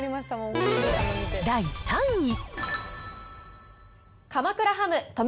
第３位。